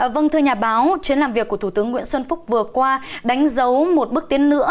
vâng thưa nhà báo chuyến làm việc của thủ tướng nguyễn xuân phúc vừa qua đánh dấu một bước tiến nữa